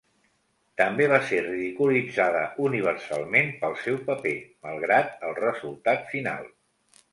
També va ser ridiculitzada universalment pel seu paper, malgrat el resultat final.